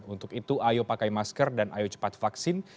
untuk itu ayo pakai masker dan ayo cepat vaksin